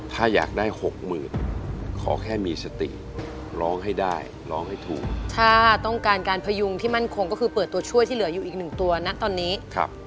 ถ้าอยากได้หกหมื่นขอแค่มีสติร้องให้ได้ร้องให้ถูกถ้าต้องการการพยุงที่มั่นคงก็คือเปิดตัวช่วยที่เหลืออยู่อีกหนึ่งตัวนะตอนนี้ครับ